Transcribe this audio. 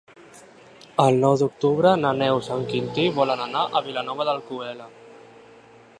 El nou d'octubre na Neus i en Quintí volen anar a Vilanova d'Alcolea.